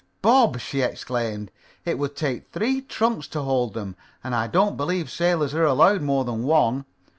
"Bob!" she exclaimed. "It would take three trunks to hold them, and I don't believe sailors are ever allowed more than one.